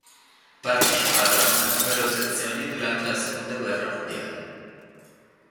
Parteciparono a numerose azioni durante la seconda guerra mondiale.